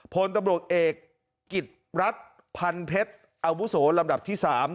พลตำรวจเอกกิจรัฐพันเพชรอาวุโสลำดับที่๓